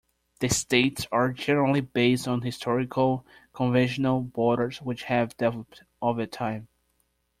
The states are generally based on historical, conventional borders which have developed over time.